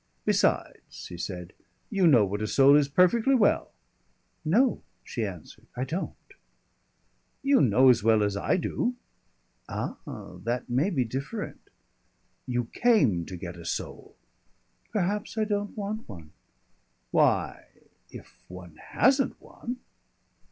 "Besides," he said, "you know what a soul is perfectly well." "No," she answered, "I don't." "You know as well as I do." "Ah! that may be different." "You came to get a soul." "Perhaps I don't want one. Why if one hasn't one